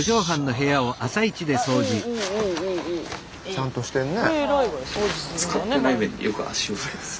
ちゃんとしてんね。